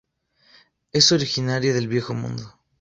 Es originaria del Viejo Mundo.